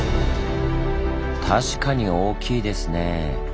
確かに大きいですねぇ。